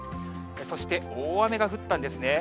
そして大雨が降ったんですね。